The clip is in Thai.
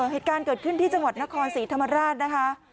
เหตุการณ์เกิดขึ้นที่จังหวัดนครศรีธรรมราชนะคะ